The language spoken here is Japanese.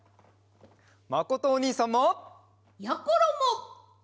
まことおにいさんも！やころも！